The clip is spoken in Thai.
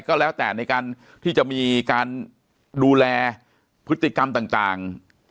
ก็แล้วแต่ในการที่จะมีการดูแลพฤติกรรมต่าง